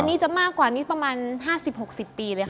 อันนี้จะมากกว่านี้ประมาณ๕๐๖๐ปีเลยค่ะ